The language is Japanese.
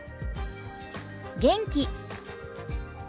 元気。